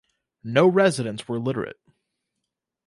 No residents were literate.